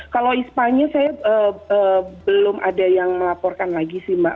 kalau ispanya saya belum ada yang melaporkan lagi sih mbak